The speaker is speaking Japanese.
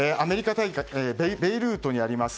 ベイルートにあります